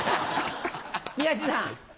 宮治さん。